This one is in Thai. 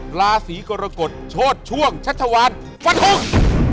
ราศีกรกฎโชดช่วงชัชวานฟันอก